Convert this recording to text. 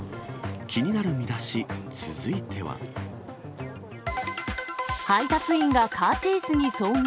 気になるミダシ、配達員がカーチェイスに遭遇。